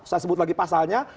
saya sebut lagi pasalnya